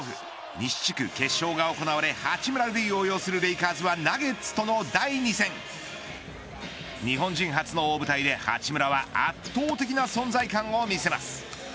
西地区決勝が行われ八村塁を擁するレイカーズはナゲッツとの第２戦日本人初の大舞台で八村は圧倒的な存在感を見せます。